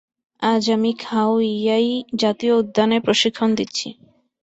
আজ, আমি খাও ইয়াই জাতীয় উদ্যানে প্রশিক্ষণ দিচ্ছি।